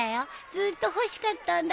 ずっと欲しかったんだ。